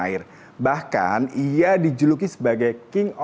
diri balik dulu ya mbak